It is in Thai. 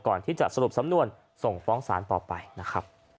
ก่อนที่จะสรุปสำนวนส่งฟ้องศาลต่อไปนะครับ